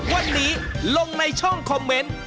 วันนี้ลงในช่องคอมเมนต์